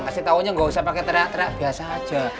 kasih taunya gak usah pake ternyata tambah biasa aja